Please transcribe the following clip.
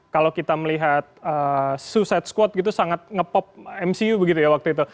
kalau kita melihat susite squad gitu sangat nge pop mcu begitu ya waktu itu